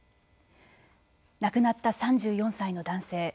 亡くなった３４歳の男性。